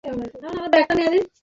এরচেয়ে সুখের কী হতে পারে?